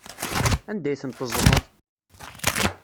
Anda ay ten-teẓẓmeḍ?